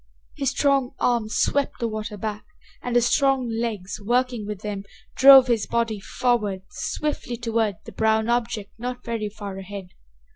His strong arm swept the water back, and his strong legs, working with them, drove his body forward swiftly toward the brown object not very far ahead.